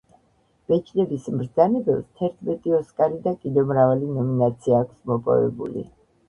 ბეჭდების ბრძანებელს თერთმეტი ოსკარი და კიდევ მრავალი ნომინაცია აქვს მოპოვებული